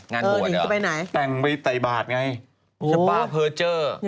งานหัวเดี๋ยวแก่งไปไตบาทไงชะบ้าเพอร์เจอร์อยู่ไหน